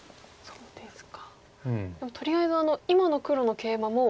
そうですね。